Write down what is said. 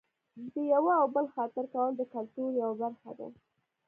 د یوه او بل خاطر کول د کلتور یوه برخه ده.